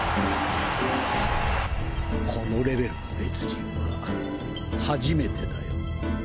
このレベルの別人は初めてだよ。